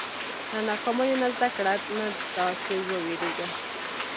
• له ناکامیو نه زده کړه، نه دا چې وېرېږه.